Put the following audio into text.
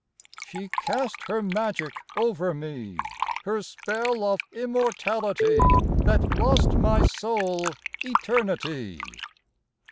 She cast her magic over me, Her spell of Immortality, That lost my soul Eternity.